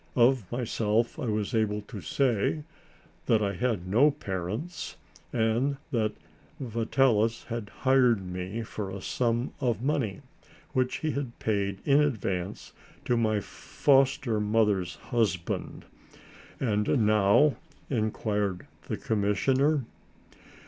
Of myself I was able to say that I had no parents and that Vitalis had hired me for a sum of money, which he had paid in advance to my foster mother's husband. "And now?..." inquired the commissioner.